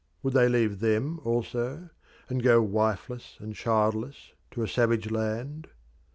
Would they leave them also, and go wifeless and childless to a savage land?